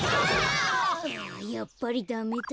やっぱりダメだ。